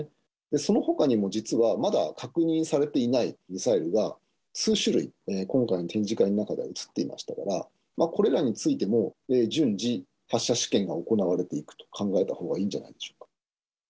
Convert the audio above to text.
そのほかにも実はまだ確認されていないミサイルが数種類、今回の展示会の中では映っていましたから、これらについても順次、発射試験が行われていくと考えたほうがいいんじゃないでしょうか。